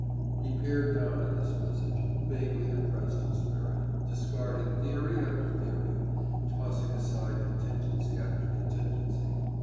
He peered down at this message, vaguely depressed in spirit, discarding theory after theory, tossing aside contingency after contingency.